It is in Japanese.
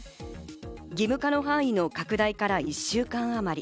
義務化の範囲の拡大から１週間あまり。